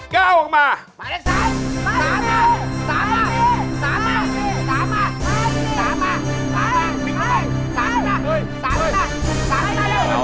ก้าวออกมา